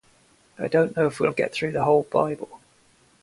I don’t know if we’ll get through the whole bible